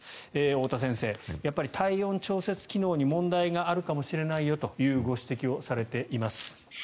太田先生、体温調節機能に問題があるかもしれないよというご指摘をされています。